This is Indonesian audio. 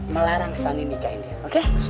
melarang sani nikahin dia oke